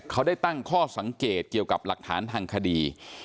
เขาได้ตั้งข้อสังเกตเกี่ยวกับหลักฐานทางคดี